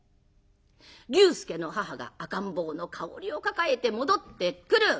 龍介の母が赤ん坊の香織を抱えて戻ってくる。